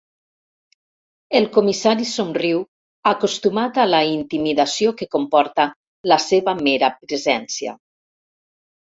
El comissari somriu, acostumat a la intimidació que comporta la seva mera presència.